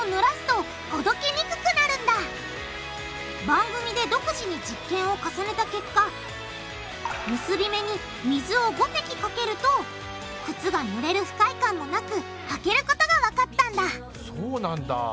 番組で独自に実験を重ねた結果結び目に水を５滴かけると靴がぬれる不快感もなく履けることがわかったんだそうなんだ。